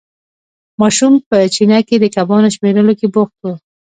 ماشوم په چینه کې د کبانو شمېرلو کې بوخت وو.